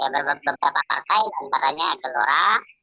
beberapa partai antaranya ekelora